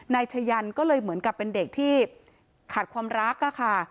นายชะยันก็เลยเหมือนกับเป็นเด็กที่ขาดความรักค่ะ